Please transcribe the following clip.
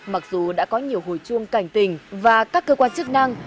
mặc dù đã có nhiều hồi chuông cảnh tình và các cơ quan chức năng